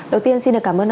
đầu tiên xin cảm ơn ông